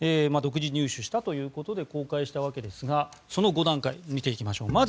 独自入手したということで公開したわけですがその５段階、見ていきましょう。